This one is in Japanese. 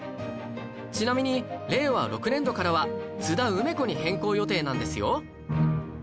ちなみに令和６年度からは津田梅子に変更予定なんですよ